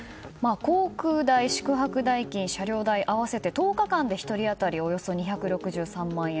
航空代、宿泊代金、車両代合わせて、１０日間で１人当たりおよそ２６３万円。